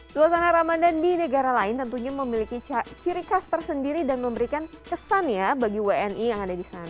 suasana ramadan di negara lain tentunya memiliki ciri khas tersendiri dan memberikan kesan ya bagi wni yang ada di sana